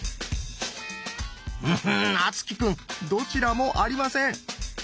うん敦貴くんどちらもありません。